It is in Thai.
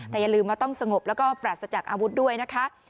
แต่อย่าลืมว่าต้องสงบแล้วก็ปราศจากอาวุธด้วยนะคะ